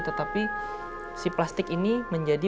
tetapi si plastik ini menjadi